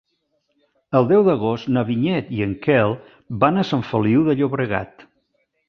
El deu d'agost na Vinyet i en Quel van a Sant Feliu de Llobregat.